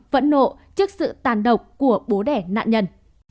phẫn nộ trước sự tàn độc của bố đẻ nạn nhân